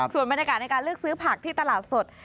ส่วนบรรยากาศในการเลือกซื้อผักที่ตลาดสด